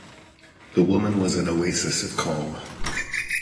The woman was an oasis of calm